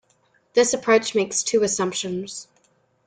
This approach makes two assumptions.